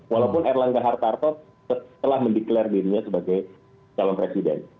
walaupun erlangga hartarto telah mendeklarir dirinya sebagai calon presiden